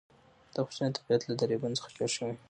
د افغانستان طبیعت له دریابونه څخه جوړ شوی دی.